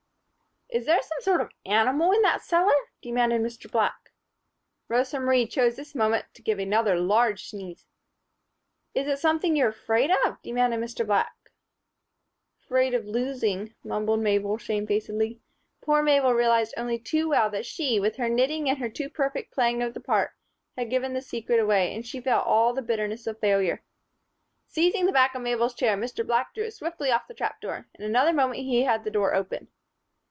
"Is there some sort of an animal in that cellar?" demanded Mr. Black. Rosa Marie chose this moment to give another large sneeze. "Is it something you're afraid of?" demanded Mr. Black. "'Fraid of losing," mumbled Mabel, shamefacedly. Poor Mabel realized only too well that she, with her knitting and her too perfect playing of the part, had given the secret away; and she felt all the bitterness of failure. Seizing the back of Mabel's chair, Mr. Black drew it swiftly off the trap door. In another moment, he had the door open.